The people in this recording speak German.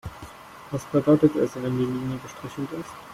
Was bedeutet es, wenn die Linie gestrichelt ist?